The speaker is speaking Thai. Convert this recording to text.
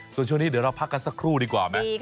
ส่วนช่วงนี้เดี๋ยวเราพักกันสักครู่ดีกว่าไหม